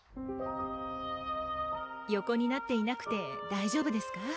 横になっていなくて大丈夫ですか？